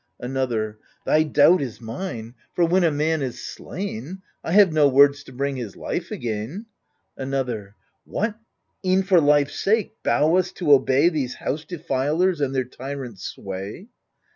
Another Thy doubt is mine : for when a man is slain, I have no words to bring his life again. Another What ? e'en for life's sake, bow us to obey These house defilers and their tyrant sway